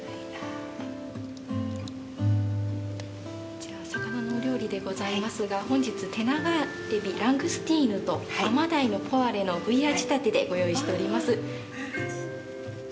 こちらは魚のお料理でございますが、本日、手長エビ、ラングスティーヌと甘鯛のポワレのブイヤ仕立てでご用意しております。